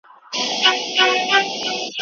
ما یې په جونګړو کي د سترګو غله لیدلي دي